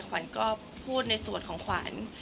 ขวัญก็พูดในส่วนของขวัญ